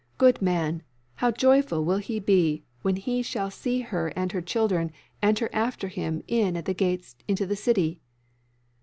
Good man! How joyful will he be when he shall see her and her children enter after him in at the gates into the city!"